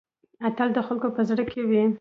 اتل د خلکو په زړه کې وي؟